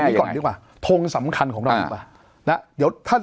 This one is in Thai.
เอาอย่างนี้ก่อนดีกว่าทงสำคัญของเราดีกว่า